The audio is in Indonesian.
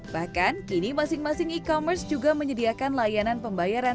bahkan kini masing masing e commerce juga menyediakan layanan pembayaran